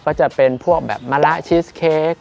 ก็จะเป็นพวกแบบมะละชีสเค้ก